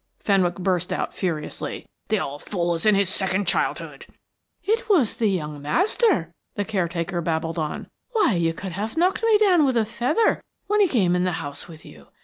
Fenwick burst out furiously. "The old fool is in his second childhood." "It was the young master," the caretaker babbled on. "Why, you could have knocked me down with a feather when he came in the house with you.